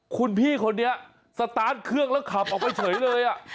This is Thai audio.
คุณพี่คนนี้สตาร์ทเครื่องแล้วขับออกไปเฉยเลย